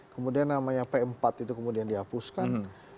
kemudian namanya p empat itu kemudian dihapuskan